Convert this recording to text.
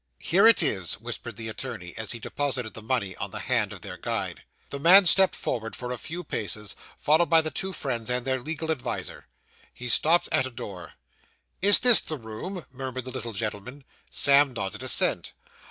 'Here it is,' whispered the attorney, as he deposited the money on the hand of their guide. The man stepped forward for a few paces, followed by the two friends and their legal adviser. He stopped at a door. 'Is this the room?' murmured the little gentleman. Sam nodded assent.